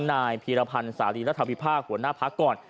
นายพีรพันธ์สารีรัฐวิพากษ์หัวหน้าพักก่อน